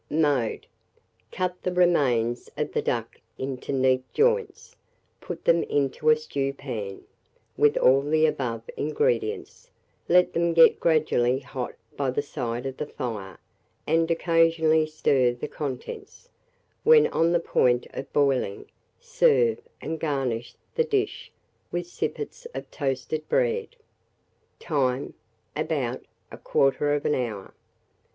Mode. Cut the remains of the duck into neat joints, put them into a stewpan, with all the above ingredients; let them get gradually hot by the side of the fire, and occasionally stir the contents; when on the point of boiling, serve, and garnish the dish with sippets of toasted bread. Time. About 1/4 hour.